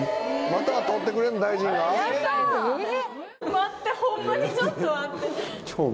待ってホンマにちょっと待って。